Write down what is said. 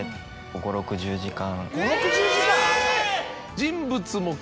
５０６０時間⁉えぇ！